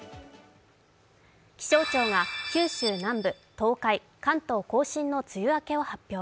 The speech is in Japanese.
気象庁が九州南部、東海、関東甲信の梅雨明けを発表